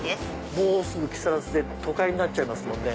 もうすぐ木更津で都会になっちゃいますもんね。